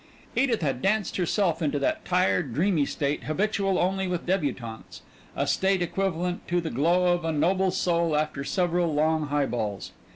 Edith had danced herself into that tired, dreamy state habitual only with débutantes, a state equivalent to the glow of a noble soul after several long highballs.